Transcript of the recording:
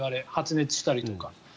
発熱したりとか。